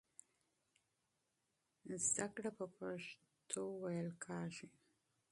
علم په پښتو تدریس کېږي.